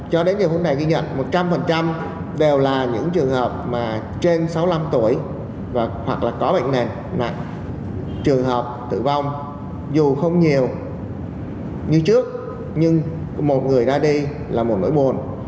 trường hợp mà trên sáu mươi năm tuổi hoặc là có bệnh nạn trường hợp tử vong dù không nhiều như trước nhưng một người ra đi là một nỗi buồn